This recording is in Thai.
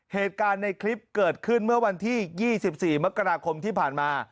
เหตุการณ์ในคลิปเกิดขึ้นเมื่อวันที่๒๔มกราคมที่ผ่านมา